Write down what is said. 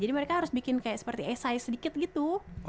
jadi mereka harus bikin kayak seperti esay sedikit gitu